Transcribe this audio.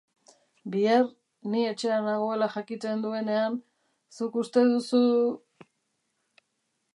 Bihar, ni etxean nagoela jakiten duenean, zuk uste duzu...?